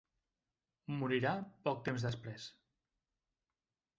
Morirà poc temps després.